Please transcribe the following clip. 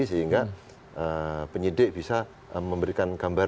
sehingga penyidik bisa memberikan gambar